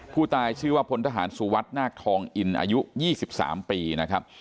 ผู้ตายชื่อว่าพลทหารสุวัสดินาคทองอินอายุ๒๓ปีนะครับ